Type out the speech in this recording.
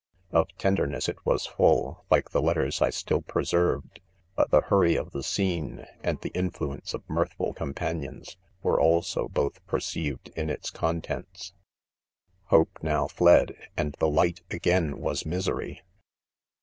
. Of tenderness it was full, like the letters I still preserved, but the hurry of the scene, and. the influence of mirthful companions, were, also, both perceived in its contents. i Hope now fled, and the light, agai%, was misery.